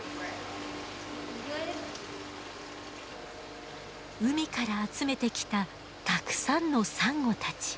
海から集めてきたたくさんのサンゴたち。